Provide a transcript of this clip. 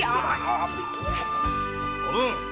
おぶん！